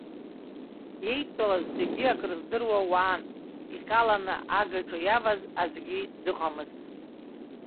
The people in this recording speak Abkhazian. Иеидтәалаз зегьы акрыздыруа уаан, иҟьаланы агаҿа иаваз аӡәгьы дыҟамызт.